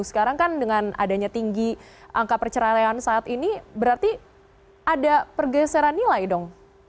sekarang kan dengan adanya tinggi angka perceraian saat ini berarti ada pergeseran nilai dong